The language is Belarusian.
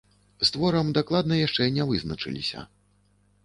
З творам дакладна яшчэ не вызначыліся.